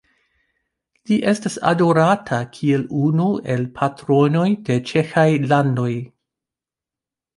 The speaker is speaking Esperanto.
Li estas adorata kiel unu el patronoj de ĉeĥaj landoj.